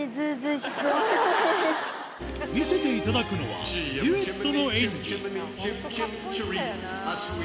見せていただくのは、デュエットの演技。